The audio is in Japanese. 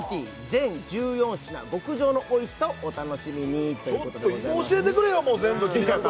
全１４品極上のおいしさをお楽しみにということでちょっと！